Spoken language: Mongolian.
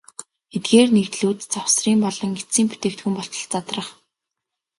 Эдгээр нэгдлүүд завсрын болон эцсийн бүтээгдэхүүн болтол задрах.